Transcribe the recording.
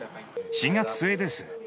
４月末です。